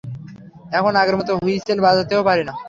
এখন আগের মতো হুইসেল বাজাতেও পারিনা!